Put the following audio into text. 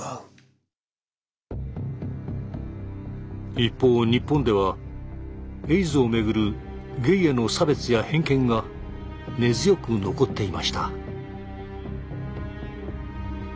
一方日本ではエイズをめぐるゲイへの差別や偏見が根強く残っていました。